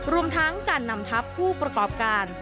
รวมทั้งการนำทัพผู้ประกอบการ